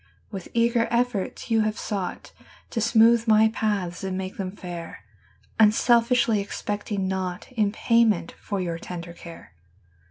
% W ITH eager efforts you Have sougkt To smootk my paths and make them fair, Unselfiskly expect 5 mg naugkt In payment for your tender care.